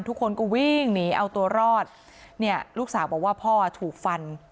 ทุกคนก็วิ่งหนีเอาตัวรอดเนี่ยลูกสาวบอกว่าพ่อถูกฟัน